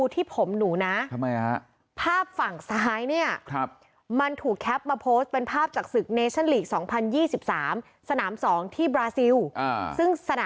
ไทยแพ้โคเอเชีย๐ต่อ๓เซต